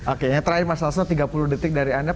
oke terakhir mas asto tiga puluh detik dari anda